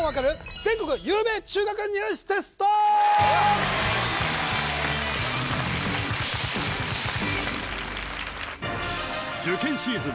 全国有名中学入試テスト受験シーズン